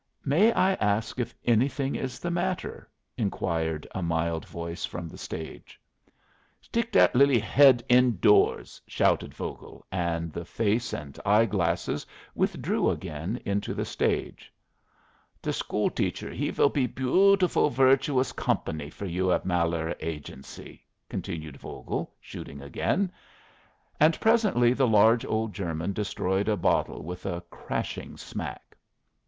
"May I ask if anything is the matter?" inquired a mild voice from the stage. "Stick that lily head in doors," shouted Vogel; and the face and eye glasses withdrew again into the stage. "The school teacher he will be beautifool virtuous company for you at Malheur Agency," continued Vogel, shooting again; and presently the large old German destroyed a bottle with a crashing smack.